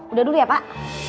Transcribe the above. udah dulu ya pak